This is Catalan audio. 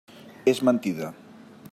És mentida.